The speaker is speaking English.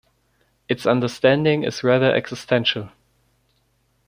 Its understanding is rather existential.